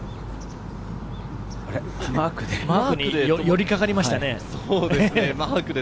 マークで寄りかかりましたね。